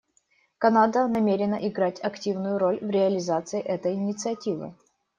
Канада намерена играть активную роль в реализации этой инициативы.